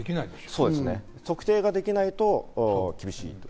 そうですね、特定できなければ厳しい。